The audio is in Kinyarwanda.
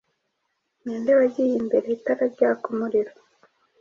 Ninde wagiye imbere itara ryaka umuriro